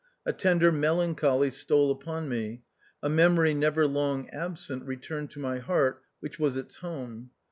A tender melancholy stole upon me. A me mory never long absent returned to my heart which was its home.